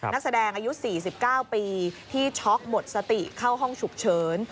นักแสดงอายุ๔๙ปีที่ช็อกหมดสติเข้าห้องฉุกเฉิน